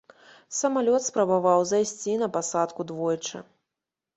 Самалёт спрабаваў зайсці на пасадку двойчы.